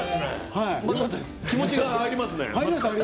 気持ちが入りますね。